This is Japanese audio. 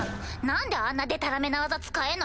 何であんなでたらめな技使えんのよ？